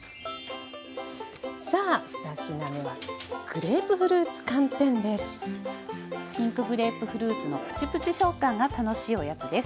さあ２品目はピンクグレープフルーツのプチプチ食感が楽しいおやつです。